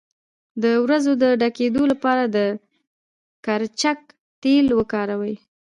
د وروځو د ډکیدو لپاره د کرچک تېل وکاروئ